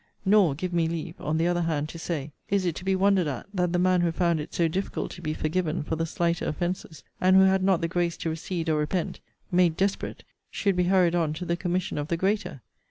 Nor, give me leave, on the other hand, to say, is it to be wondered at, that the man who found it so difficult to be forgiven for the slighter offences, and who had not the grace to recede or repent, (made desperate,) should be hurried on to the commission of the greater.